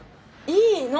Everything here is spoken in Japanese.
いいの！